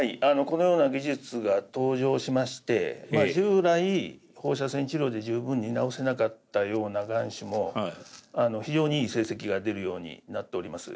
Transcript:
このような技術が登場しまして従来放射線治療で十分に治せなかったようながん腫も非常にいい成績が出るようになっております。